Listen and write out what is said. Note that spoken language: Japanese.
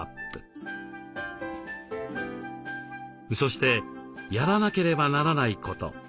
そしてやらなければならないこと。